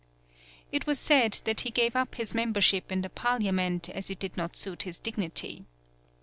It was said that he gave up his membership in the parlia ment as it did not suit his dignity.